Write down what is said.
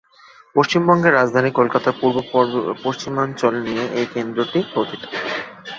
পশ্চিমবঙ্গের রাজধানী কলকাতার পূর্ব-পশ্চিমাঞ্চল নিয়ে এই কেন্দ্রটি গঠিত।